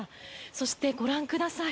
そして、ご覧ください。